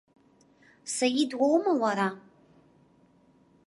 Саид уоума уара?